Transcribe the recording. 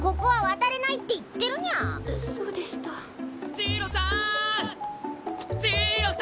ジイロさん！